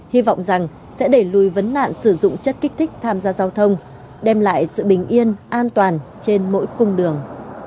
hy vọng rằng sẽ đẩy lùi vấn nạn sử dụng chất kích thích tham gia giao thông đem lại sự bình yên an toàn trên mỗi cung đường